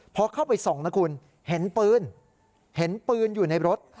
พอเข้าไปส่งนะคุณเห็นปืนอยู่ในรถ